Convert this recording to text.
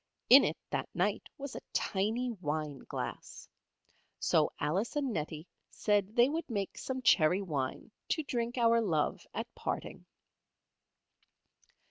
In it, that night, was a tiny wine glass. So Alice and Nettie said they would make some cherry wine to drink our love at parting.